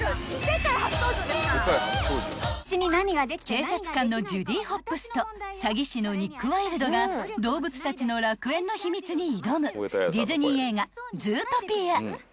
［警察官のジュディ・ホップスと詐欺師のニック・ワイルドが動物たちの楽園の秘密に挑むディズニー映画『ズートピア』］